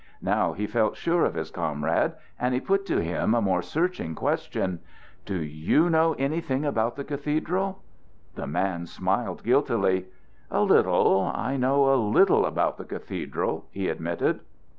Now he felt sure of his comrade, and he put to him a more searching question: "Do you know anything about the cathedral?" The man smiled guiltily. "A little. I know a little about the cathedral," he admitted.